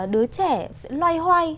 đứa trẻ loay hoay